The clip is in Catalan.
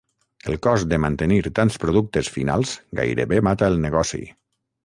El cost de mantenir tants productes finals gairebé mata el negoci.